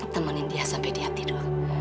temenin dia sampai dia tidur